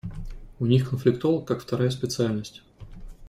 У них конфликтолог как вторая специальность.